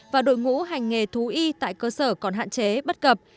và đội ngũ hành nghề thú y tại cơ sở còn hạn chế bất cập